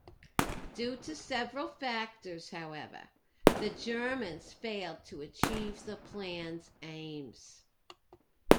Due to several factors however, the Germans failed to achieve the plan's aims.